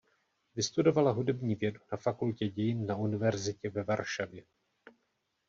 Vystudovala hudební vědu na Fakultě dějin na univerzitě ve Varšavě.